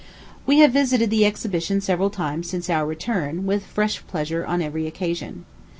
We have visited the exhibition several times since our return, with fresh pleasure on every occasion.